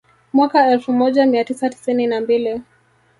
Mwaka elfu moja mia tisa tisini na mbili